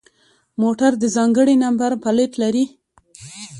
موټر د ځانگړي نمبر پلیت لري.